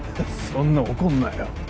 そんな怒んなよ。